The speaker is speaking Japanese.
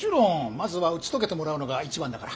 まずは打ち解けてもらうのが一番だから。